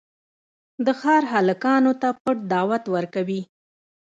د ښار هلکانو ته پټ دعوت ورکوي.